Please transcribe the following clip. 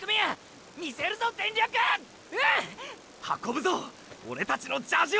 運ぶぞオレたちのジャージを！